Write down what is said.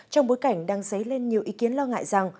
trong bối cảnh đang dấy lên nhiều ý kiến lo ngại rằng